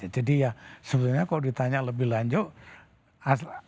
jadi ya sebenarnya kalau ditanya lebih lanjut